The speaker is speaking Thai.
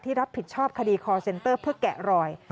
รับผิดชอบคดีคอร์เซ็นเตอร์เพื่อแกะรอย